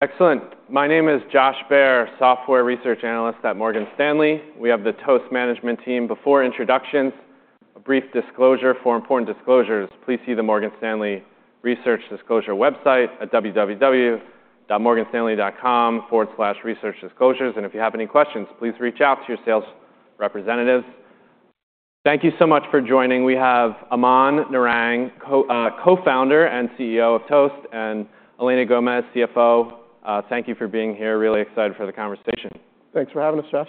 Excellent. My name is Josh Baer, Software Research Analyst at Morgan Stanley. We have the Toast management team. Before introductions, a brief disclosure for important disclosures. Please see the Morgan Stanley Research Disclosure website at www.morganstanley.com/researchdisclosures, and if you have any questions, please reach out to your sales representatives. Thank you so much for joining. We have Aman Narang, Co-founder and CEO of Toast, and Elena Gomez, CFO. Thank you for being here. Really excited for the conversation. Thanks for having us, Josh.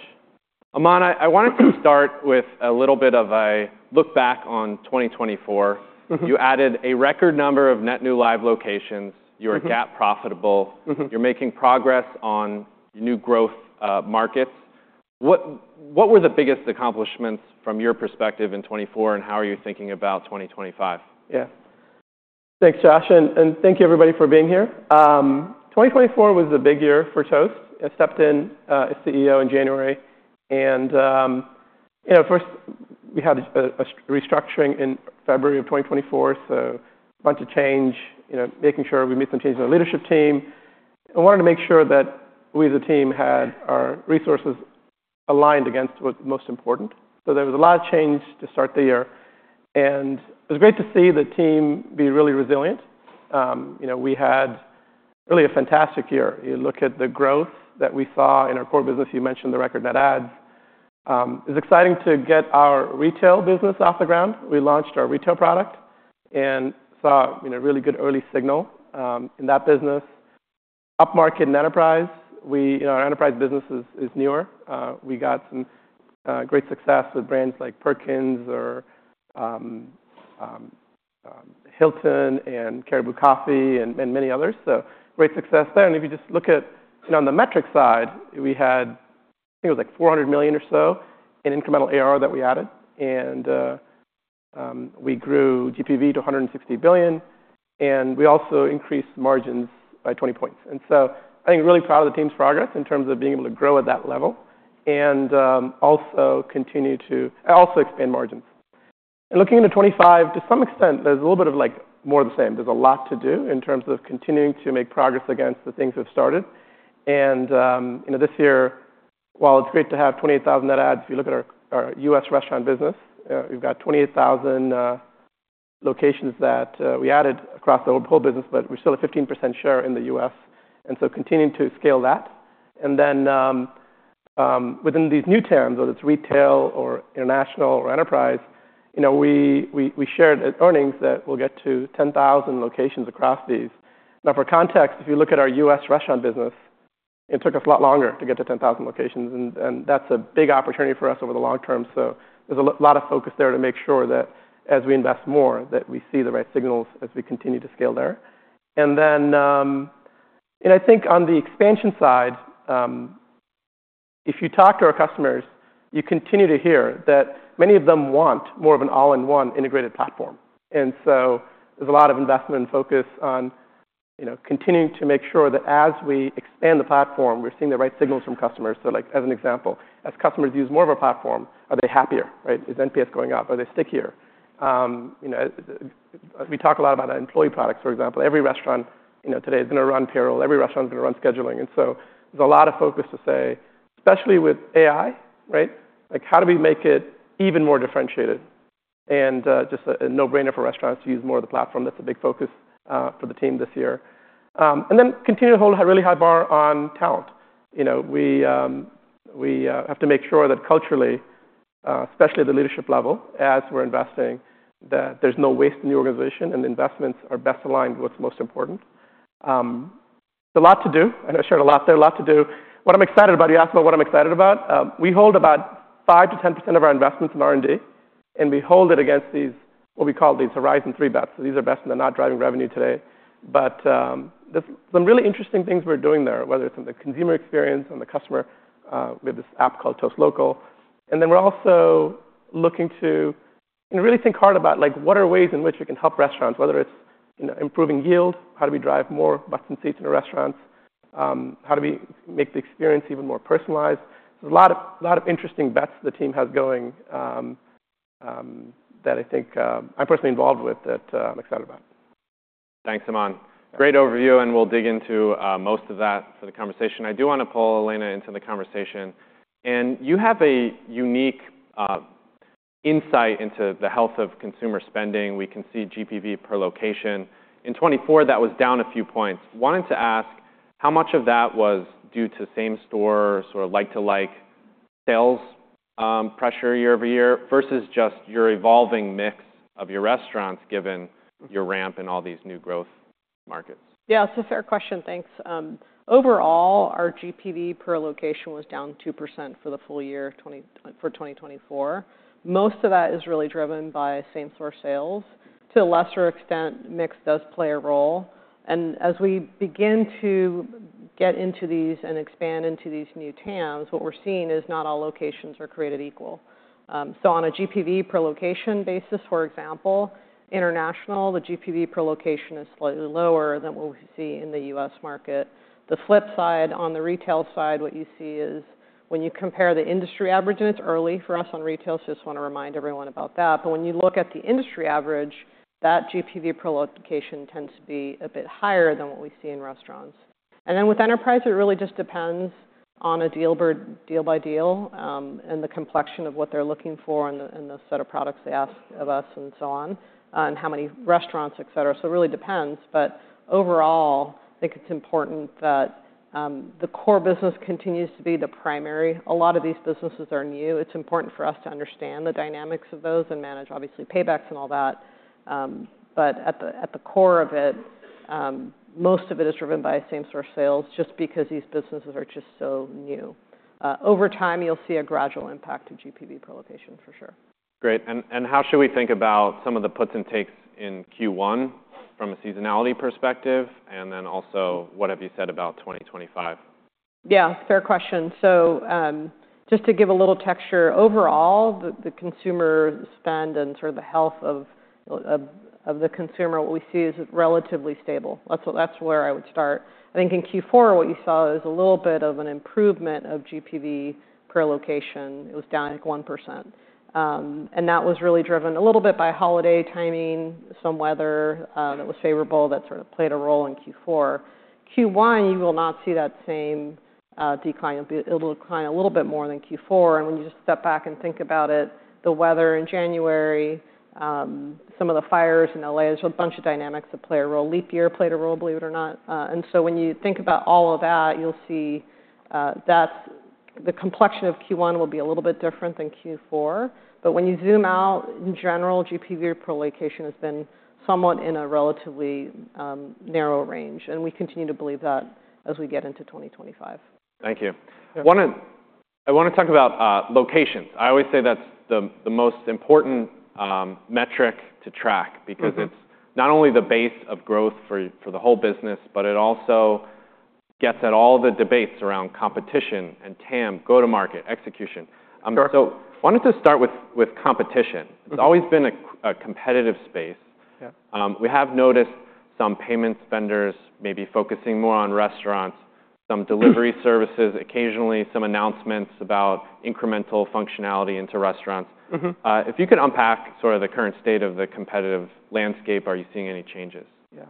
Aman, I wanted to start with a little bit of a look back on 2024. You added a record number of net new live locations. You're at GAAP profitable. You're making progress on new growth markets. What were the biggest accomplishments from your perspective in 2024, and how are you thinking about 2025? Yeah. Thanks, Josh. And thank you, everybody, for being here. 2024 was a big year for Toast. I stepped in as CEO in January. And first, we had a restructuring in February of 2024, so a bunch of change, making sure we made some change in the leadership team. I wanted to make sure that we, as a team, had our resources aligned against what's most important. So there was a lot of change to start the year. And it was great to see the team be really resilient. We had really a fantastic year. You look at the growth that we saw in our core business. You mentioned the record net adds. It was exciting to get our retail business off the ground. We launched our retail product and saw a really good early signal in that business. Upmarket and enterprise, our enterprise business is newer. We got some great success with brands like Perkins or Hilton and Caribou Coffee and many others. So great success there. And if you just look at on the metric side, we had, I think it was like $400 million or so in incremental ARR that we added. And we grew GPV to $160 billion. And we also increased margins by 20 points. And so I'm really proud of the team's progress in terms of being able to grow at that level and also continue to also expand margins. And looking into 2025, to some extent, there's a little bit of like more of the same. There's a lot to do in terms of continuing to make progress against the things we've started. This year, while it's great to have 28,000 net adds, if you look at our U.S. restaurant business, we've got 28,000 locations that we added across the whole business, but we're still at 15% share in the U.S. Continuing to scale that. Within these new TAMs, whether it's retail or international or enterprise, we shared earnings that will get to 10,000 locations across these. Now, for context, if you look at our U.S. restaurant business, it took us a lot longer to get to 10,000 locations. That's a big opportunity for us over the long term. There's a lot of focus there to make sure that as we invest more, that we see the right signals as we continue to scale there. And then I think on the expansion side, if you talk to our customers, you continue to hear that many of them want more of an all-in-one integrated platform. And so there's a lot of investment and focus on continuing to make sure that as we expand the platform, we're seeing the right signals from customers. So as an example, as customers use more of our platform, are they happier? Is NPS going up? Are they stickier? We talk a lot about employee products, for example. Every restaurant today is going to run payroll. Every restaurant is going to run scheduling. And so there's a lot of focus to say, especially with AI, how do we make it even more differentiated? And just a no-brainer for restaurants to use more of the platform. That's a big focus for the team this year. And then continue to hold a really high bar on talent. We have to make sure that culturally, especially at the leadership level, as we're investing, that there's no waste in the organization and the investments are best aligned with what's most important. There's a lot to do. I know I shared a lot there, a lot to do. What I'm excited about, you asked about what I'm excited about. We hold about 5%-10% of our investments in R&D, and we hold it against what we call these Horizon 3 bets. So these are bets that are not driving revenue today. But there's some really interesting things we're doing there, whether it's on the consumer experience, on the customer. We have this app called Toast Local. And then we're also looking to really think hard about what are ways in which we can help restaurants, whether it's improving yield, how do we drive more butts in seats in our restaurants, how do we make the experience even more personalized. There's a lot of interesting bets the team has going that I think I'm personally involved with that I'm excited about. Thanks, Aman. Great overview, and we'll dig into most of that for the conversation. I do want to pull Elena into the conversation, and you have a unique insight into the health of consumer spending. We can see GPV per location. In 2024, that was down a few points. Wanted to ask how much of that was due to same-store sort of like-to-like sales pressure year-over-year versus just your evolving mix of your restaurants given your ramp in all these new growth markets. Yeah, that's a fair question. Thanks. Overall, our GPV per location was down 2% for the full year for 2024. Most of that is really driven by same-store sales. To a lesser extent, mix does play a role. And as we begin to get into these and expand into these new TAMs, what we're seeing is not all locations are created equal. So on a GPV per location basis, for example, international, the GPV per location is slightly lower than what we see in the U.S. market. The flip side on the retail side, what you see is when you compare the industry average, and it's early for us on retail, so I just want to remind everyone about that. But when you look at the industry average, that GPV per location tends to be a bit higher than what we see in restaurants. And then with enterprise, it really just depends on a deal by deal and the complexion of what they're looking for and the set of products they ask of us and so on, and how many restaurants, et cetera. So it really depends. But overall, I think it's important that the core business continues to be the primary. A lot of these businesses are new. It's important for us to understand the dynamics of those and manage, obviously, paybacks and all that. But at the core of it, most of it is driven by same-store sales just because these businesses are just so new. Over time, you'll see a gradual impact of GPV per location, for sure. Great. And how should we think about some of the puts and takes in Q1 from a seasonality perspective? And then also, what have you said about 2025? Yeah, fair question. So just to give a little texture, overall, the consumer spend and sort of the health of the consumer, what we see is relatively stable. That's where I would start. I think in Q4, what you saw is a little bit of an improvement of GPV per location. It was down like 1%. And that was really driven a little bit by holiday timing, some weather that was favorable that sort of played a role in Q4. Q1, you will not see that same decline. It'll decline a little bit more than Q4. And when you just step back and think about it, the weather in January, some of the fires in LA, there's a bunch of dynamics that play a role. Leap year played a role, believe it or not. And so when you think about all of that, you'll see that the complexion of Q1 will be a little bit different than Q4. But when you zoom out, in general, GPV per location has been somewhat in a relatively narrow range. And we continue to believe that as we get into 2025. Thank you. I want to talk about locations. I always say that's the most important metric to track because it's not only the base of growth for the whole business, but it also gets at all the debates around competition and TAM, go-to-market, execution. So I wanted to start with competition. It's always been a competitive space. We have noticed some payment spenders maybe focusing more on restaurants, some delivery services, occasionally some announcements about incremental functionality into restaurants. If you could unpack sort of the current state of the competitive landscape, are you seeing any changes? Yeah.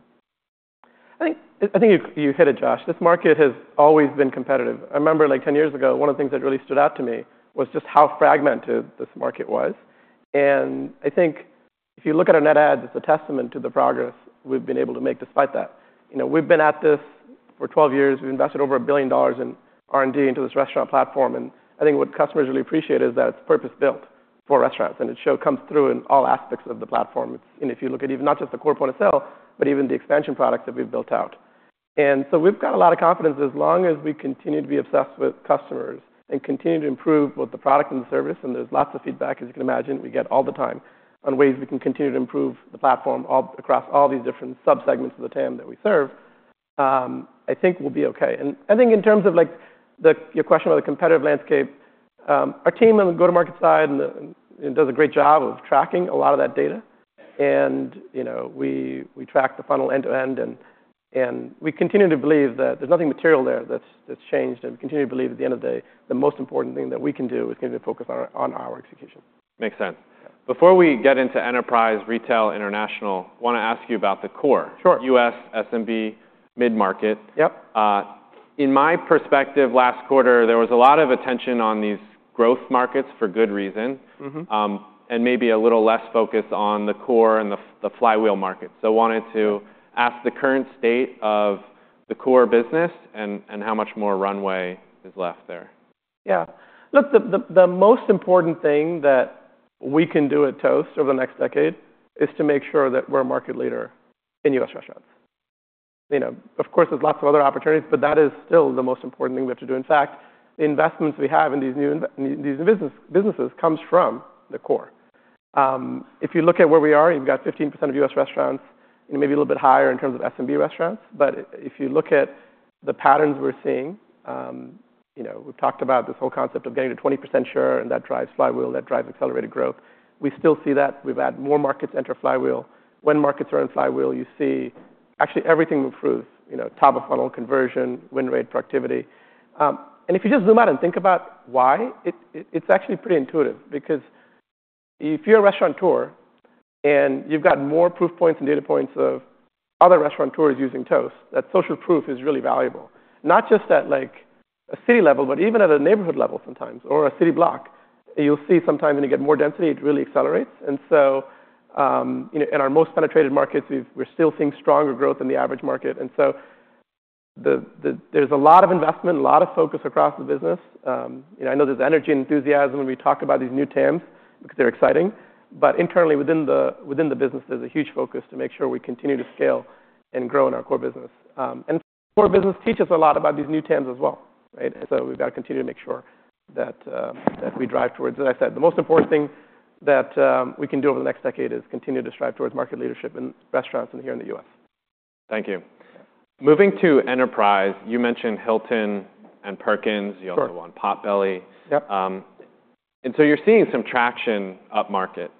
I think you hit it, Josh. This market has always been competitive. I remember like 10 years ago, one of the things that really stood out to me was just how fragmented this market was. And I think if you look at our net adds, it's a testament to the progress we've been able to make despite that. We've been at this for 12 years. We've invested over $1 billion in R&D into this restaurant platform. And I think what customers really appreciate is that it's purpose-built for restaurants. And it comes through in all aspects of the platform. And if you look at even not just the core point of sale, but even the expansion products that we've built out. And so we've got a lot of confidence as long as we continue to be obsessed with customers and continue to improve with the product and the service. And there's lots of feedback, as you can imagine. We get all the time on ways we can continue to improve the platform across all these different subsegments of the TAM that we serve. I think we'll be okay. And I think in terms of your question about the competitive landscape, our team on the go-to-market side does a great job of tracking a lot of that data. And we track the funnel end to end. And we continue to believe that there's nothing material there that's changed. And we continue to believe at the end of the day, the most important thing that we can do is continue to focus on our execution. Makes sense. Before we get into enterprise, retail, international, I want to ask you about the core U.S., SMB, mid-market. In my perspective, last quarter, there was a lot of attention on these growth markets for good reason and maybe a little less focus on the core and the flywheel markets. So I wanted to ask the current state of the core business and how much more runway is left there. Yeah. Look, the most important thing that we can do at Toast over the next decade is to make sure that we're a market leader in U.S. restaurants. Of course, there's lots of other opportunities, but that is still the most important thing we have to do. In fact, the investments we have in these new businesses come from the core. If you look at where we are, you've got 15% of U.S. restaurants, maybe a little bit higher in terms of SMB restaurants. But if you look at the patterns we're seeing, we've talked about this whole concept of getting to 20% sure, and that drives flywheel, that drives accelerated growth. We still see that. We've had more markets enter flywheel. When markets are in flywheel, you see actually everything improves: top of funnel conversion, win rate, productivity. And if you just zoom out and think about why, it's actually pretty intuitive. Because if you're a restaurateur and you've got more proof points and data points of other restaurateurs using Toast, that social proof is really valuable. Not just at a city level, but even at a neighborhood level sometimes or a city block. You'll see sometimes when you get more density, it really accelerates. And so in our most penetrated markets, we're still seeing stronger growth than the average market. And so there's a lot of investment, a lot of focus across the business. I know there's energy and enthusiasm when we talk about these new TAMs because they're exciting. But internally within the business, there's a huge focus to make sure we continue to scale and grow in our core business. And core business teaches a lot about these new TAMs as well. And so we've got to continue to make sure that we drive towards, as I said, the most important thing that we can do over the next decade is continue to strive towards market leadership in restaurants and here in the U.S. Thank you. Moving to enterprise, you mentioned Hilton and Perkins. You also won Potbelly. And so you're seeing some traction up market.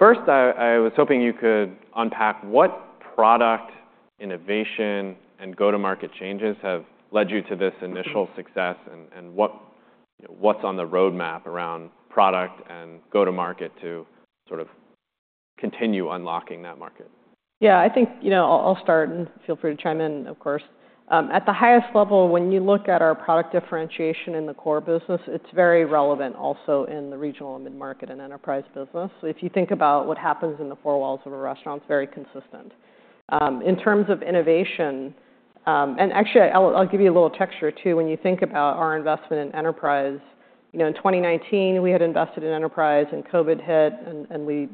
First, I was hoping you could unpack what product innovation and go-to-market changes have led you to this initial success and what's on the roadmap around product and go-to-market to sort of continue unlocking that market. Yeah, I think I'll start and feel free to chime in, of course. At the highest level, when you look at our product differentiation in the core business, it's very relevant also in the regional and mid-market and enterprise business. If you think about what happens in the four walls of a restaurant, it's very consistent. In terms of innovation, and actually, I'll give you a little texture too. When you think about our investment in enterprise, in 2019, we had invested in enterprise and COVID hit, and we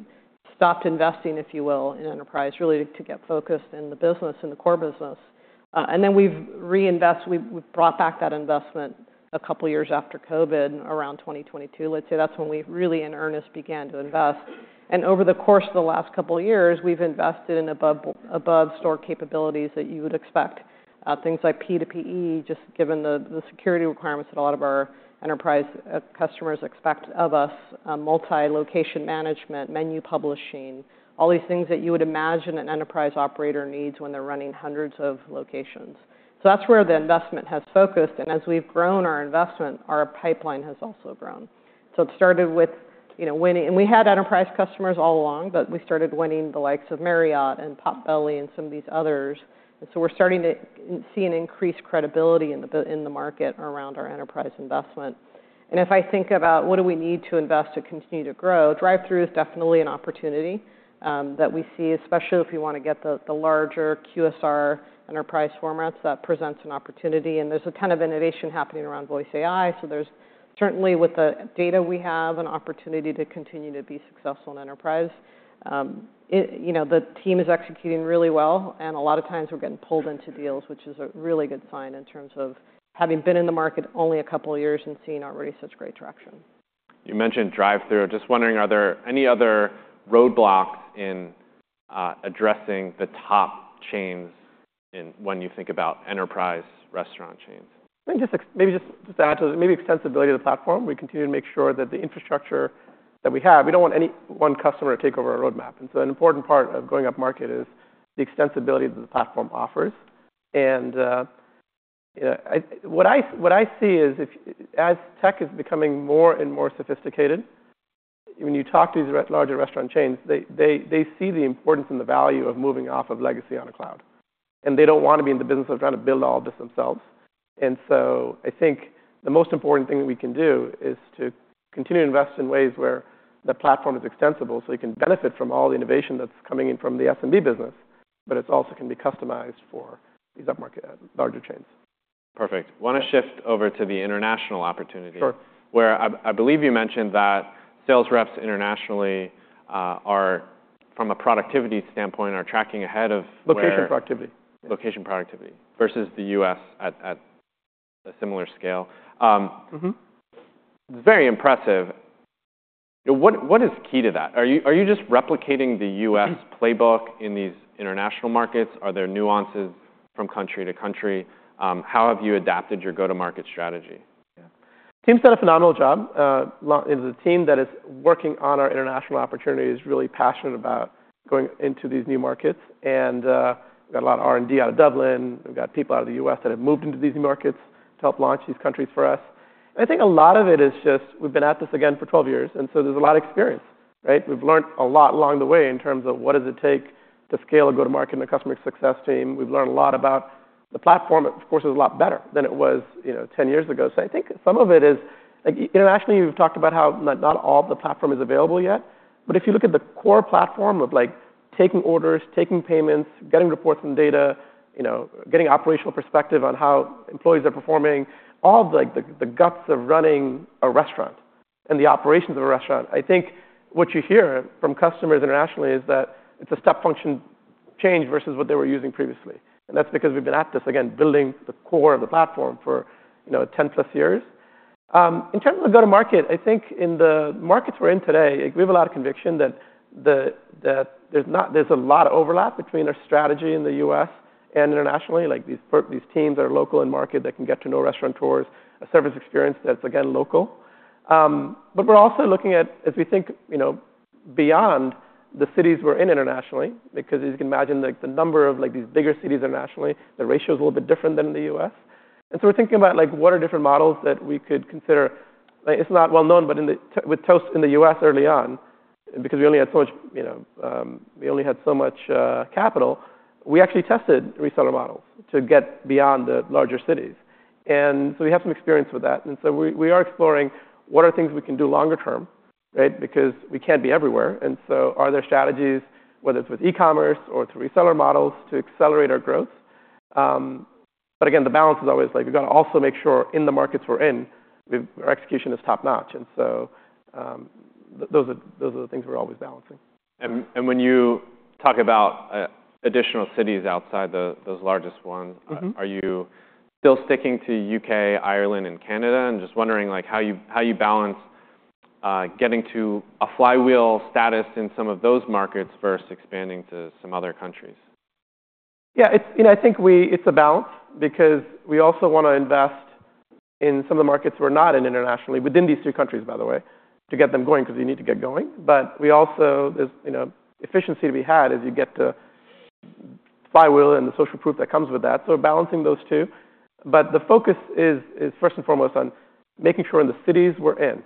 stopped investing, if you will, in enterprise really to get focused in the business, in the core business. And then we've reinvested. We've brought back that investment a couple of years after COVID, around 2022. Let's say that's when we really in earnest began to invest. And over the course of the last couple of years, we've invested in above-store capabilities that you would expect, things like P2PE, just given the security requirements that a lot of our enterprise customers expect of us, multi-location management, menu publishing, all these things that you would imagine an enterprise operator needs when they're running hundreds of locations. So that's where the investment has focused. And as we've grown our investment, our pipeline has also grown. So it started with winning, and we had enterprise customers all along, but we started winning the likes of Marriott and Potbelly and some of these others. And so we're starting to see an increased credibility in the market around our enterprise investment. And if I think about what do we need to invest to continue to grow, drive-through is definitely an opportunity that we see, especially if we want to get the larger QSR enterprise formats. That presents an opportunity. And there's a ton of innovation happening around voice AI. So there's certainly, with the data we have, an opportunity to continue to be successful in enterprise. The team is executing really well, and a lot of times we're getting pulled into deals, which is a really good sign in terms of having been in the market only a couple of years and seeing already such great traction. You mentioned drive-through. Just wondering, are there any other roadblocks in addressing the top chains when you think about enterprise restaurant chains? Maybe just to add to that, maybe extensibility of the platform. We continue to make sure that the infrastructure that we have, we don't want any one customer to take over our roadmap. And so an important part of going up market is the extensibility that the platform offers. And what I see is, as tech is becoming more and more sophisticated, when you talk to these larger restaurant chains, they see the importance and the value of moving off of legacy on a cloud. And they don't want to be in the business of trying to build all of this themselves. And so I think the most important thing that we can do is to continue to invest in ways where the platform is extensible so you can benefit from all the innovation that's coming in from the SMB business, but it also can be customized for these upmarket larger chains. Perfect. I want to shift over to the international opportunity where I believe you mentioned that sales reps internationally, from a productivity standpoint, are tracking ahead of. Location productivity. Location productivity versus the U.S. at a similar scale. It's very impressive. What is key to that? Are you just replicating the U.S. playbook in these international markets? Are there nuances from country to country? How have you adapted your go-to-market strategy? The team's done a phenomenal job. It's a team that is working on our international opportunities, really passionate about going into these new markets. And we've got a lot of R&D out of Dublin. We've got people out of the U.S. that have moved into these new markets to help launch these countries for us. And I think a lot of it is just we've been at this again for 12 years. And so there's a lot of experience. We've learned a lot along the way in terms of what does it take to scale a go-to-market and a customer success team. We've learned a lot about the platform. Of course, it's a lot better than it was 10 years ago. So I think some of it is internationally, we've talked about how not all of the platform is available yet. But if you look at the core platform of taking orders, taking payments, getting reports and data, getting operational perspective on how employees are performing, all the guts of running a restaurant and the operations of a restaurant, I think what you hear from customers internationally is that it's a step function change versus what they were using previously. And that's because we've been at this, again, building the core of the platform for 10 plus years. In terms of go-to-market, I think in the markets we're in today, we have a lot of conviction that there's a lot of overlap between our strategy in the U.S. and internationally. These teams are local and market that can get to know restaurateurs, a service experience that's, again, local. But we're also looking at, as we think beyond the cities we're in internationally, because as you can imagine, the number of these bigger cities internationally, the ratio is a little bit different than in the U.S. And so we're thinking about what are different models that we could consider. It's not well known, but with Toast in the U.S. early on, because we only had so much, we only had so much capital, we actually tested reseller models to get beyond the larger cities. And so we have some experience with that. And so we are exploring what are things we can do longer term because we can't be everywhere. And so are there strategies, whether it's with e-commerce or through reseller models to accelerate our growth? But again, the balance is always like we've got to also make sure in the markets we're in, our execution is top-notch and so those are the things we're always balancing. And when you talk about additional cities outside those largest ones, are you still sticking to U.K., Ireland, and Canada? And just wondering how you balance getting to a flywheel status in some of those markets versus expanding to some other countries. Yeah, I think it's a balance because we also want to invest in some of the markets we're not in internationally within these three countries, by the way, to get them going because they need to get going. But we also, there's efficiency to be had as you get to flywheel and the social proof that comes with that. So we're balancing those two. But the focus is first and foremost on making sure in the cities we're in,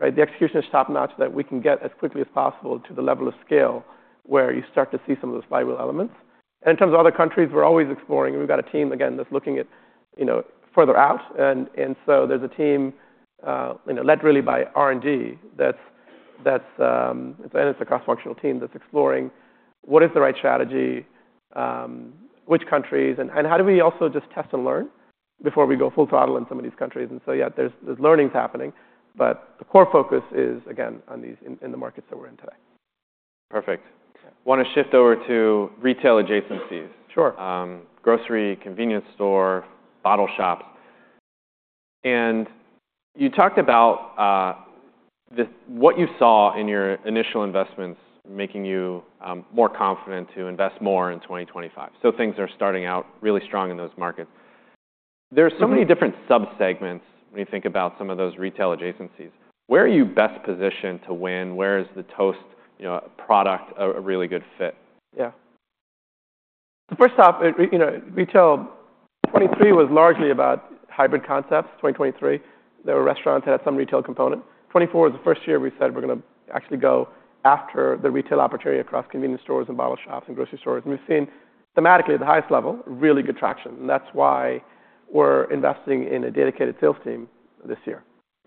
the execution is top-notch that we can get as quickly as possible to the level of scale where you start to see some of those flywheel elements. And in terms of other countries, we're always exploring. We've got a team, again, that's looking further out. And so there's a team led really by R&D that's, and it's a cross-functional team that's exploring what is the right strategy, which countries, and how do we also just test and learn before we go full throttle in some of these countries. And so yeah, there's learning happening. But the core focus is, again, in the markets that we're in today. Perfect. I want to shift over to retail adjacencies, grocery, convenience store, bottle shops. And you talked about what you saw in your initial investments making you more confident to invest more in 2025. So things are starting out really strong in those markets. There are so many different subsegments when you think about some of those retail adjacencies. Where are you best positioned to win? Where is the Toast product a really good fit? Yeah. So first off, retail 2023 was largely about hybrid concepts. 2023, there were restaurants that had some retail component. 2024 was the first year we said we're going to actually go after the retail opportunity across convenience stores and bottle shops and grocery stores. And we've seen thematically at the highest level, really good traction. And that's why we're investing in a dedicated sales team this year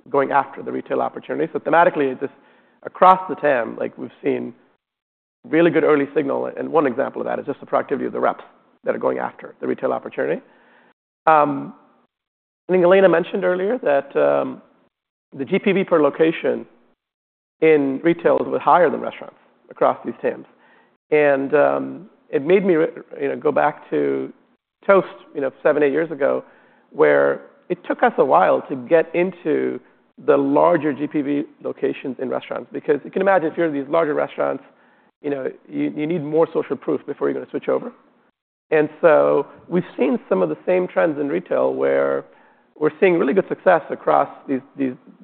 going after the retail opportunity. So thematically, just across the TAM, we've seen really good early signal. And one example of that is just the productivity of the reps that are going after the retail opportunity. I think Elena mentioned earlier that the GPV per location in retail was higher than restaurants across these TAMs. And it made me go back to Toast seven, eight years ago where it took us a while to get into the larger GPV locations in restaurants. Because you can imagine if you're in these larger restaurants, you need more social proof before you're going to switch over. And so we've seen some of the same trends in retail where we're seeing really good success across the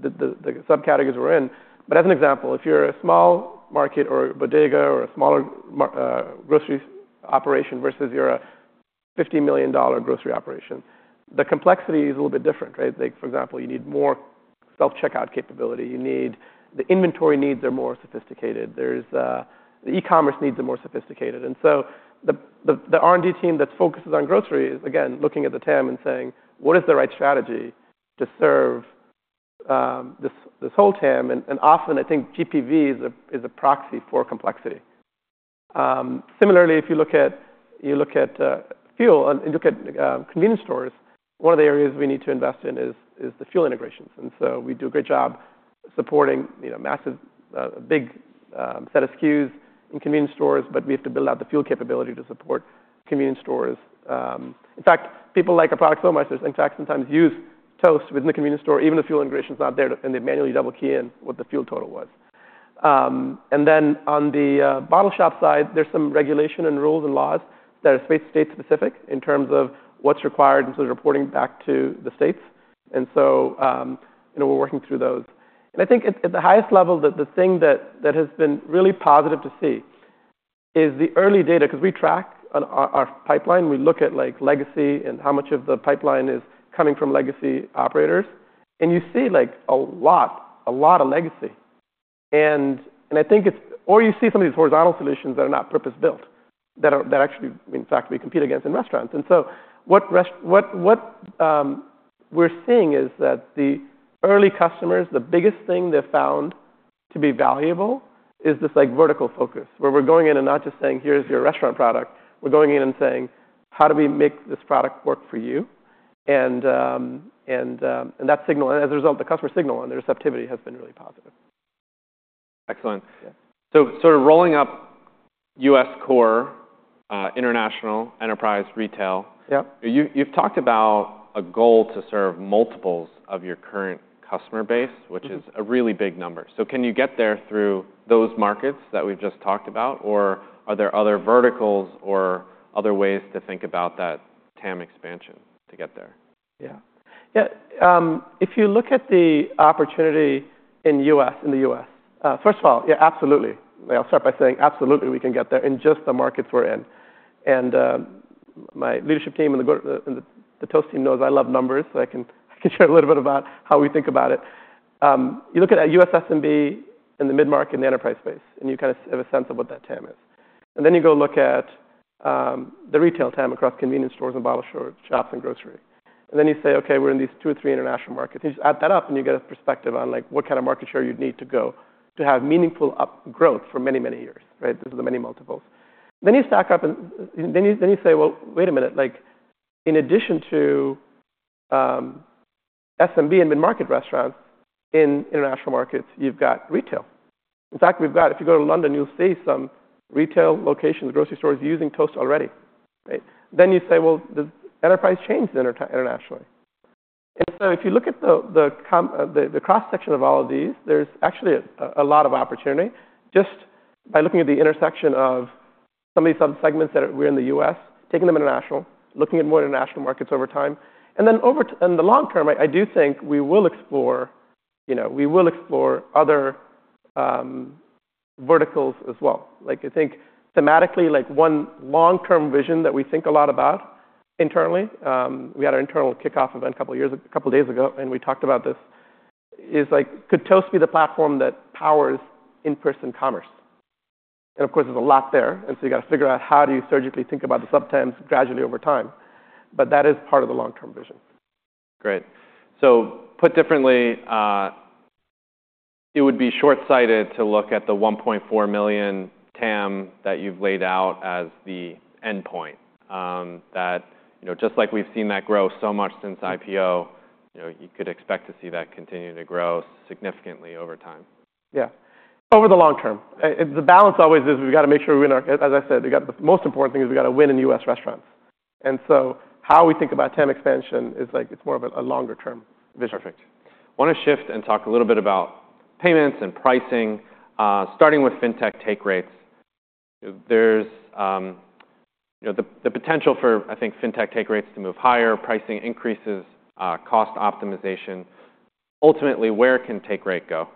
subcategories we're in. But as an example, if you're a small market or a bodega or a smaller grocery operation versus you're a $50 million grocery operation, the complexity is a little bit different. For example, you need more self-checkout capability. The inventory needs are more sophisticated. The e-commerce needs are more sophisticated. And so the R&D team that focuses on grocery is, again, looking at the TAM and saying, what is the right strategy to serve this whole TAM? And often, I think GPV is a proxy for complexity. Similarly, if you look at fuel and you look at convenience stores, one of the areas we need to invest in is the fuel integrations. And so we do a great job supporting a big set of SKUs in convenience stores, but we have to build out the fuel capability to support convenience stores. In fact, people like a product so much that sometimes use Toast within the convenience store, even if fuel integration is not there, and they manually double-key in what the fuel total was. And then on the bottle shop side, there's some regulation and rules and laws that are state-specific in terms of what's required in terms of reporting back to the states. And so we're working through those. And I think at the highest level, the thing that has been really positive to see is the early data because we track our pipeline. We look at legacy and how much of the pipeline is coming from legacy operators, and you see a lot of legacy. I think it's, or you see, some of these horizontal solutions that are not purpose-built that actually, in fact, we compete against in restaurants, and so what we're seeing is that the early customers, the biggest thing they've found to be valuable is this vertical focus where we're going in and not just saying, here's your restaurant product. We're going in and saying, how do we make this product work for you, and that signal, and as a result, the customer signal and the receptivity has been really positive. Excellent, so sort of rolling up U.S. core, international, enterprise, retail, you've talked about a goal to serve multiples of your current customer base, which is a really big number, so can you get there through those markets that we've just talked about, or are there other verticals or other ways to think about that TAM expansion to get there? Yeah. Yeah. If you look at the opportunity in the U.S., first of all, yeah, absolutely. I'll start by saying absolutely we can get there in just the markets we're in. And my leadership team and the Toast team knows I love numbers, so I can share a little bit about how we think about it. You look at U.S., SMB, and the mid-market in the enterprise space, and you kind of have a sense of what that TAM is. And then you go look at the retail TAM across convenience stores and bottle shops and grocery. And then you say, okay, we're in these two or three international markets. You just add that up, and you get a perspective on what kind of market share you'd need to go to have meaningful growth for many, many years. This is the many multiples. Then you stack up, and then you say, well, wait a minute. In addition to SMB and mid-market restaurants, in international markets, you've got retail. In fact, if you go to London, you'll see some retail locations, grocery stores using Toast already. Then you say, well, the enterprise chain internationally. And so if you look at the cross-section of all of these, there's actually a lot of opportunity just by looking at the intersection of some of these subsegments that we're in the U.S., taking them international, looking at more international markets over time. And then in the long term, I do think we will explore other verticals as well. I think thematically, one long-term vision that we think a lot about internally, we had our internal kickoff event a couple of days ago, and we talked about this, is could Toast be the platform that powers in-person commerce? Of course, there's a lot there. So you've got to figure out how do you surgically think about the sub-TAMs gradually over time? That is part of the long-term vision. Great. So put differently, it would be short-sighted to look at the 1.4 million TAM that you've laid out as the endpoint that just like we've seen that grow so much since IPO, you could expect to see that continue to grow significantly over time. Yeah. Over the long term, the balance always is we've got to make sure we win. As I said, the most important thing is we've got to win in U.S. restaurants. And so how we think about TAM expansion is it's more of a longer-term vision. Perfect. I want to shift and talk a little bit about payments and pricing, starting with fintech take rates. There's the potential for, I think, fintech take rates to move higher, pricing increases, cost optimization. Ultimately, where can take rate go?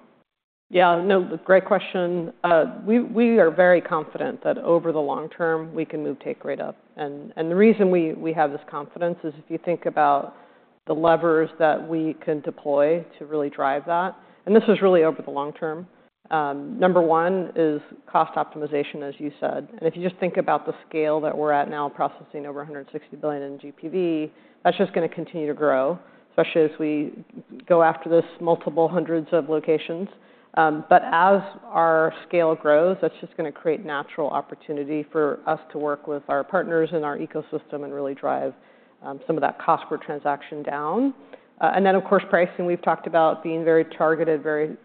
Yeah, no, great question. We are very confident that over the long term, we can move take rate up. And the reason we have this confidence is if you think about the levers that we can deploy to really drive that, and this is really over the long term. Number one is cost optimization, as you said, and if you just think about the scale that we're at now processing over 160 billion in GPV, that's just going to continue to grow, especially as we go after this multiple hundreds of locations, but as our scale grows, that's just going to create natural opportunity for us to work with our partners in our ecosystem and really drive some of that cost per transaction down. And then, of course, pricing. We've talked about being very targeted, very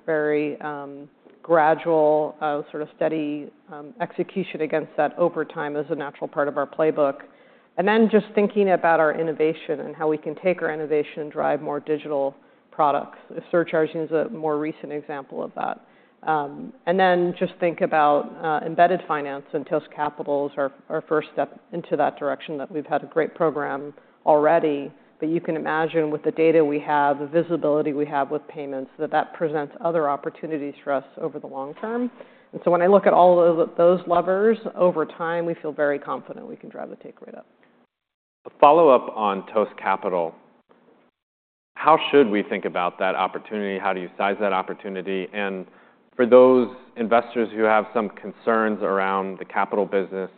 gradual, sort of steady execution against that over time is a natural part of our playbook. And then just thinking about our innovation and how we can take our innovation and drive more digital products. Surcharging is a more recent example of that. And then just think about embedded finance and Toast Capital as our first step into that direction that we've had a great program already. But you can imagine with the data we have, the visibility we have with payments, that that presents other opportunities for us over the long term. And so when I look at all of those levers over time, we feel very confident we can drive the take rate up. A follow-up on Toast Capital. How should we think about that opportunity? How do you size that opportunity? And for those investors who have some concerns around the capital business,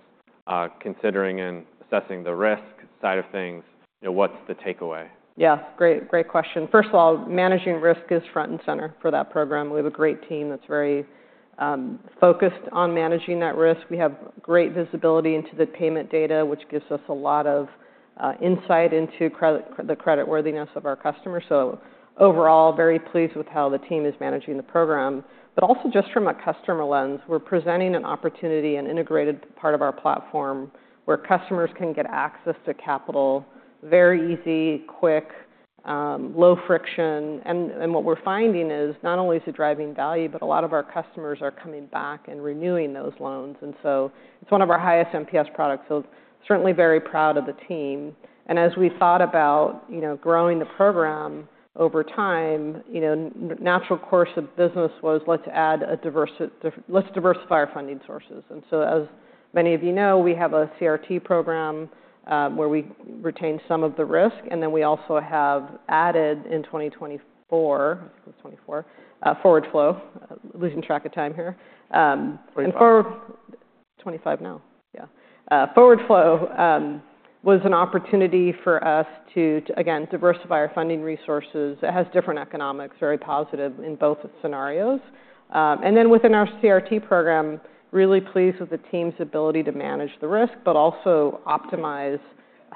considering and assessing the risk side of things, what's the takeaway? Yeah, great question. First of all, managing risk is front and center for that program. We have a great team that's very focused on managing that risk. We have great visibility into the payment data, which gives us a lot of insight into the creditworthiness of our customers. So overall, very pleased with how the team is managing the program. But also just from a customer lens, we're presenting an opportunity, an integrated part of our platform, where customers can get access to capital very easy, quick, low friction. And what we're finding is not only is it driving value, but a lot of our customers are coming back and renewing those loans. And so it's one of our highest NPS products. So certainly very proud of the team. And as we thought about growing the program over time, natural course of business was let's diversify our funding sources. And so as many of you know, we have a CRT program where we retain some of the risk. And then we also have added in 2024, I think it was 2024, forward flow. Losing track of time here. 2024. And forward 2025 now. Yeah. Forward flow was an opportunity for us to, again, diversify our funding resources. It has different economics, very positive in both scenarios. And then within our CRT program, really pleased with the team's ability to manage the risk, but also optimize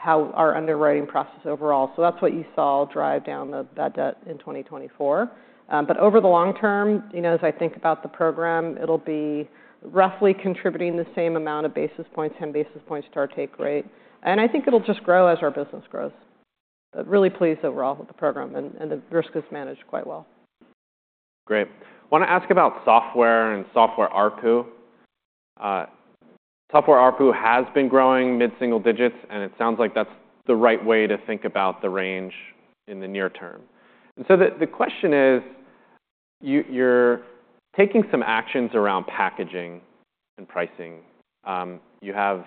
our underwriting process overall. So that's what you saw drive down that debt in 2024. But over the long term, as I think about the program, it'll be roughly contributing the same amount of basis points, 10 basis points to our take rate. And I think it'll just grow as our business grows. But really pleased overall with the program, and the risk is managed quite well. Great. I want to ask about software and software ARPU. Software ARPU has been growing mid-single digits, and it sounds like that's the right way to think about the range in the near term. And so the question is, you're taking some actions around packaging and pricing. You have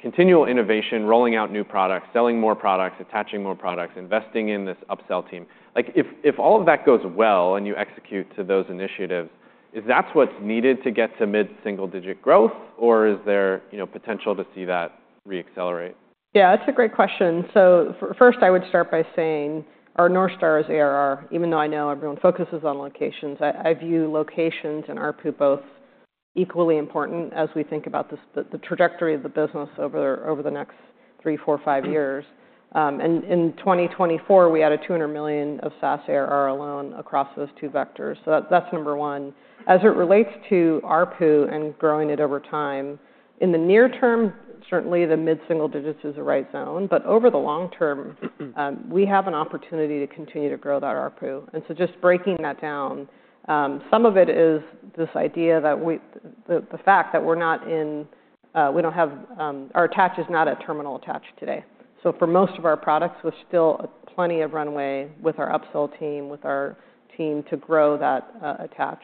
continual innovation, rolling out new products, selling more products, attaching more products, investing in this upsell team. If all of that goes well and you execute to those initiatives, is that what's needed to get to mid-single digit growth? Or is there potential to see that reaccelerate? Yeah, that's a great question, so first, I would start by saying our North Star is ARR. Even though I know everyone focuses on locations, I view locations and ARPU both equally important as we think about the trajectory of the business over the next three, four, five years, and in 2024, we added $200 million of SaaS ARR alone across those two vectors, so that's number one. As it relates to ARPU and growing it over time, in the near term, certainly the mid-single digits is the right zone, but over the long term, we have an opportunity to continue to grow that ARPU, and so just breaking that down, some of it is this idea that the fact that we're not in, we don't have our attach, is not a terminal attach today. So, for most of our products, we still have plenty of runway with our upsell team to grow that attach.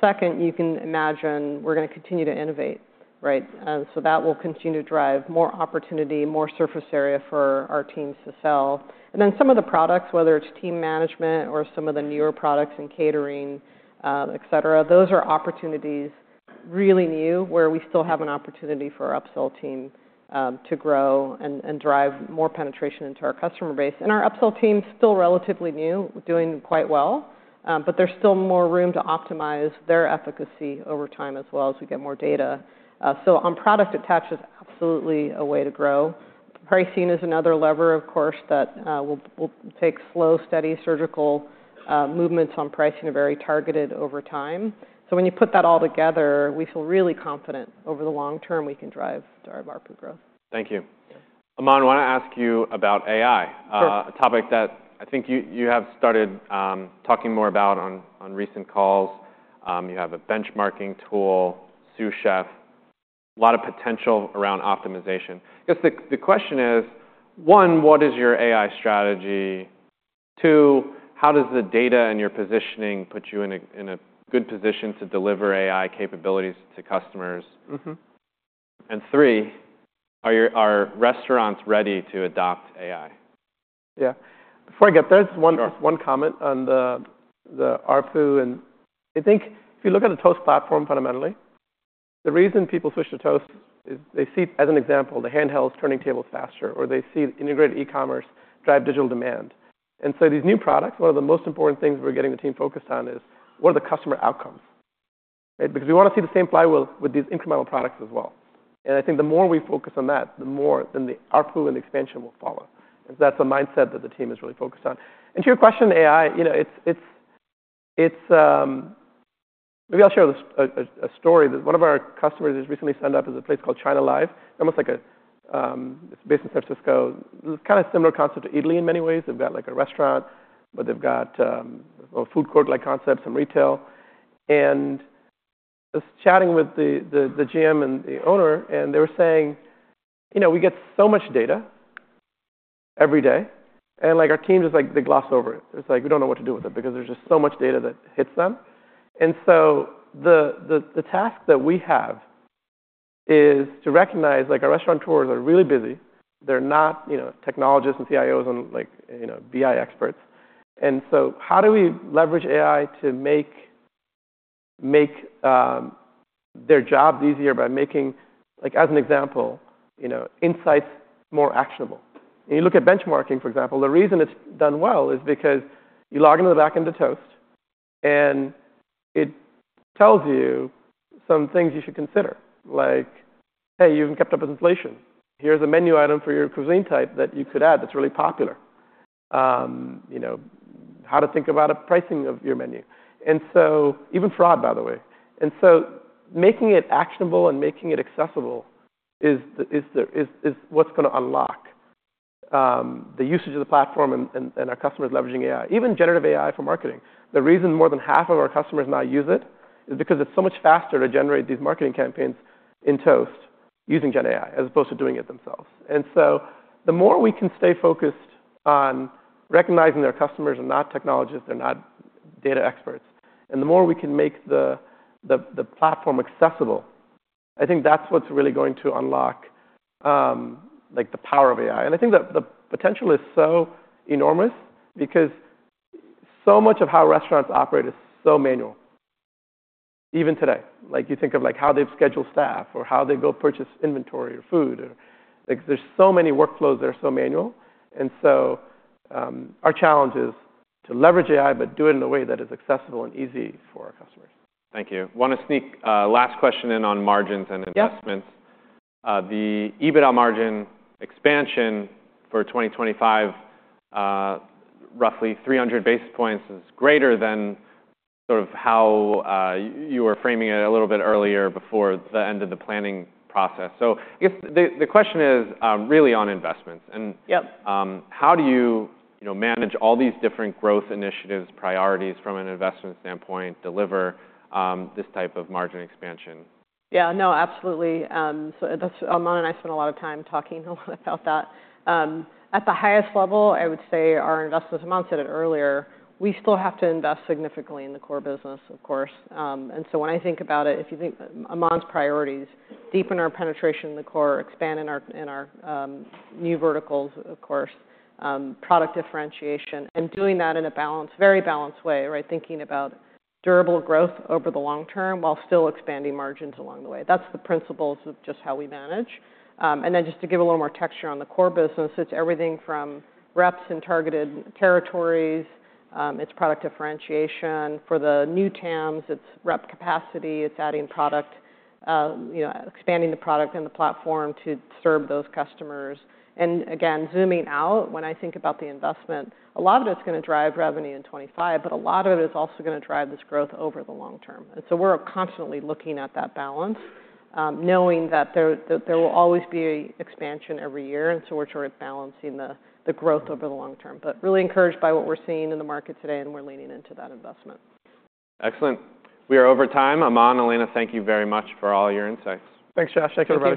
Second, you can imagine we're going to continue to innovate. So that will continue to drive more opportunity, more surface area for our teams to sell. And then some of the products, whether it's team management or some of the newer products in catering, et cetera, those are really new opportunities where we still have an opportunity for our upsell team to grow and drive more penetration into our customer base. And our upsell team is still relatively new, doing quite well. But there's still more room to optimize their efficacy over time as well as we get more data. So on product attach is absolutely a way to grow. Pricing is another lever, of course, that will take slow, steady, surgical movements on pricing are very targeted over time. So when you put that all together, we feel really confident, over the long term, we can drive our ARPU growth. Thank you. Aman, I want to ask you about AI, a topic that I think you have started talking more about on recent calls. You have a benchmarking tool, Sous Chef. A lot of potential around optimization. I guess the question is, one, what is your AI strategy? Two, how does the data and your positioning put you in a good position to deliver AI capabilities to customers? And three, are restaurants ready to adopt AI? Yeah. Before I get there, just one comment on the ARPU. And I think if you look at the Toast platform fundamentally, the reason people switch to Toast is they see, as an example, the handhelds turning tables faster, or they see integrated e-commerce drive digital demand. And so these new products, one of the most important things we're getting the team focused on is what are the customer outcomes? Because we want to see the same flywheel with these incremental products as well. And I think the more we focus on that, the more then the ARPU and the expansion will follow. And so that's a mindset that the team is really focused on. And to your question, AI, maybe I'll share a story. One of our customers has recently signed up, a place called China Live. They're almost like it's based in San Francisco. It's kind of a similar concept to Eataly in many ways. They've got like a restaurant, but they've got a food court-like concept, some retail, and I was chatting with the GM and the owner, and they were saying, you know, we get so much data every day, and our team is like they gloss over it. It's like we don't know what to do with it because there's just so much data that hits them, and so the task that we have is to recognize our restaurant tours are really busy. They're not technologists and CIOs and BI experts, and so how do we leverage AI to make their jobs easier by making, as an example, insights more actionable, and you look at benchmarking, for example. The reason it's done well is because you log into the back end of Toast, and it tells you some things you should consider, like, hey, you haven't kept up with inflation. Here's a menu item for your cuisine type that you could add that's really popular. How to think about pricing of your menu. And so even fraud, by the way. And so making it actionable and making it accessible is what's going to unlock the usage of the platform and our customers leveraging AI, even generative AI for marketing. The reason more than half of our customers now use it is because it's so much faster to generate these marketing campaigns in Toast using Gen AI as opposed to doing it themselves. And so the more we can stay focused on recognizing their customers and not technologists, they're not data experts. And the more we can make the platform accessible, I think that's what's really going to unlock the power of AI. And I think the potential is so enormous because so much of how restaurants operate is so manual. Even today, you think of how they've scheduled staff or how they go purchase inventory or food. There's so many workflows that are so manual. And so our challenge is to leverage AI, but do it in a way that is accessible and easy for our customers. Thank you. I want to sneak a last question in on margins and investments. The EBITDA margin expansion for 2025, roughly 300 basis points, is greater than sort of how you were framing it a little bit earlier before the end of the planning process, so I guess the question is really on investments and how do you manage all these different growth initiatives, priorities from an investment standpoint, deliver this type of margin expansion? Yeah, no, absolutely. Aman and I spent a lot of time talking a lot about that. At the highest level, I would say our investments. Aman said it earlier. We still have to invest significantly in the core business, of course. When I think about it, if you think Aman's priorities, deepen our penetration in the core, expand in our new verticals, of course, product differentiation, and doing that in a very balanced way, thinking about durable growth over the long term while still expanding margins along the way. That's the principles of just how we manage. To give a little more texture on the core business, it's everything from reps and targeted territories. It's product differentiation. For the new TAMs, it's rep capacity. It's adding product, expanding the product and the platform to serve those customers. Again, zooming out, when I think about the investment, a lot of it is going to drive revenue in 2025, but a lot of it is also going to drive this growth over the long term. So we're constantly looking at that balance, knowing that there will always be expansion every year. So we're sort of balancing the growth over the long term, but really encouraged by what we're seeing in the market today, and we're leaning into that investment. Excellent. We are over time. Aman, Elena, thank you very much for all your insights. Thanks, Josh. I can.